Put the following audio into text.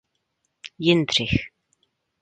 Jindřich.